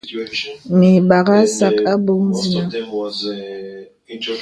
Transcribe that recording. Mə ìbàghā sàk àbok zìnə.